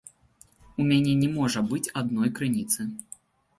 У мяне не можа быць адной крыніцы.